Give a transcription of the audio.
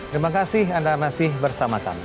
terima kasih anda masih bersama kami